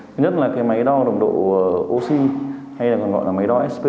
thứ nhất là máy đo nồng độ oxy hay còn gọi là máy đo spo hai